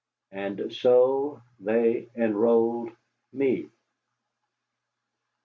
And so they enrolled me.